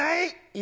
今。